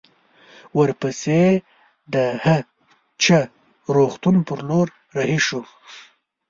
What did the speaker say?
ورپسې د هه چه روغتون پر لور رهي شوو.